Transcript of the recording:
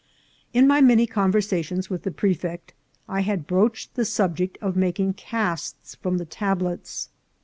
In my many conversations with the prefect I had broached the subject of making casts from the tablets.